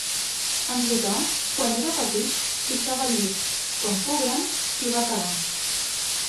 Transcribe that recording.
En Botà, quan era petit, pixava al llit; quan fou gran, s'hi va cagar.